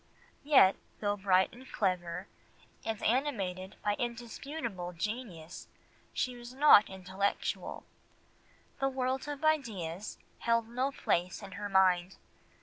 Yet though bright and clever, and animated by indisputable genius, she was not intellectual; the world of ideas held no place in her mind.